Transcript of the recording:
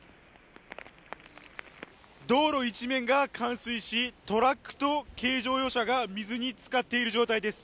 道路一面が冠水し、トラックと軽乗用車が水につかっている状態です。